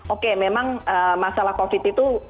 oke memang masalah covid itu